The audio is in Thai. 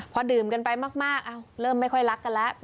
พอดื่มกันไปมากเริ่มไม่ค่อยรักกันแล้ว